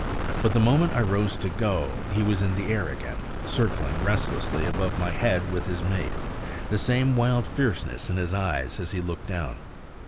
But the moment I rose to go he was in the air again, circling restlessly above my head with his mate, the same wild fierceness in his eyes as he looked down.